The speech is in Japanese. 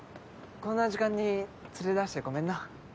こんな時間に連れ出してごめんな。